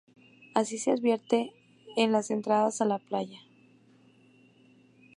Así se advierte en las entradas a la playa.